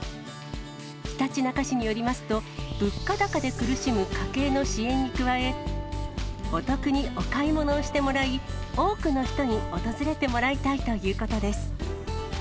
ひたちなか市によりますと、物価高で苦しむ家計の支援に加え、お得にお買い物をしてもらい、多くの人に訪れてもらいたいということです。